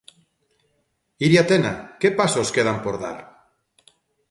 Iria Tena, que pasos quedan por dar?